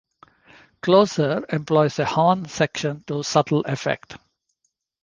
"Closer" employs a horn section to subtle effect.